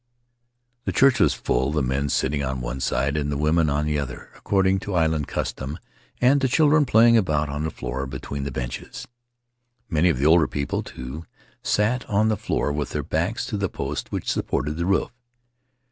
The church was full, the men sitting on one side and the women on the other, according to island custom, and the children playing about on the floor between the benches. Many of the older people, too, sat on the floor with their backs to the posts which supported the roof.